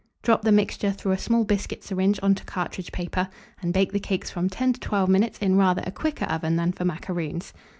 Drop the mixture through a small biscuit syringe on to cartridge paper, and bake the cakes from 10 to 12 minutes in rather a quicker oven than for macaroons.